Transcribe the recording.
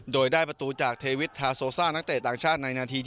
โดยได้ประตูจากเทวิททาโซซ่านักเตะต่างชาติในนาที๒๐